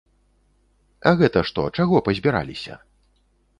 А гэта што, чаго пазбіраліся?